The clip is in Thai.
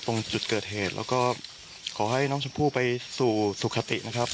ตรงจุดเกิดเหตุแล้วก็ขอให้น้องชมพู่ไปสู่สุขตินะครับ